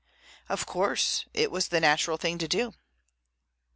"Of course. It was the natural thing to do."